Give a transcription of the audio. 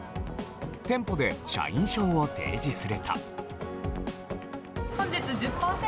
店舗で社員証を呈示すると。